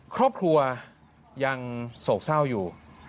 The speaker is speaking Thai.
ครอบครัวยังโศกเศร้าอยู่